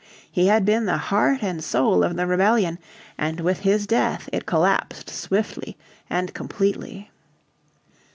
He had been the heart and soul of the rebellion, and with his death it collapsed swiftly and completely.